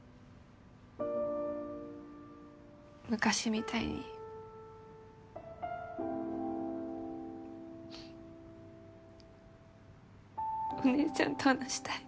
昔みたいにお姉ちゃんと話したい。